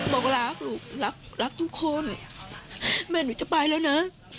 บอกรักลูกรักรักทุกคนแม่หนูจะไปแล้วนะ